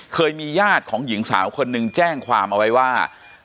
เคยมีญาติของหญิงสาวคนหนึ่งแจ้งความเอาไว้ว่า